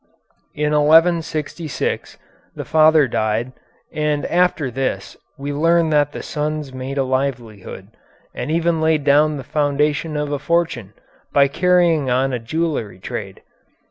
In 1166 the father died, and after this we learn that the sons made a livelihood, and even laid the foundation of a fortune, by carrying on a jewelry trade.